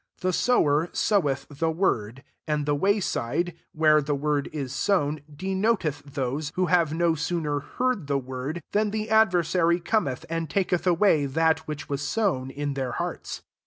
14 The sower soweth the word. 15 And the way «cfe, where the word is sown, denoteth those, wto have no sooner heard the word, than the adversary* cometft and taketh away that which was sown in their hearts.